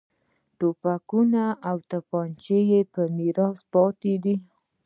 توپکونه او تومانچې یې په میراث پاتې دي.